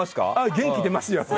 元気出ますよ。